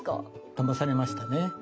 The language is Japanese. だまされましたね。